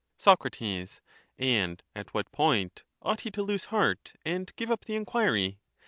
Soc. And at what point ought he to lose heart and give up the enquiry?